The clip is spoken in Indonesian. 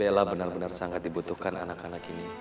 bella benar benar sangat dibutuhkan anak anak ini